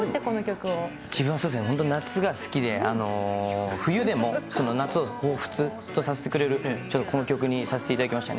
自分はそうですね、夏が好きで、冬でも夏をほうふつとさせてくれる、この曲にさせていただきましたね。